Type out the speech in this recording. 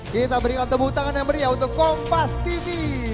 kita berikan tepuk tangan yang meriah untuk kompas tv